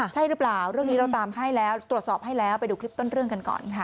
ใช่หรือเปล่าเรื่องนี้เราตามให้แล้วตรวจสอบให้แล้วไปดูคลิปต้นเรื่องกันก่อนค่ะ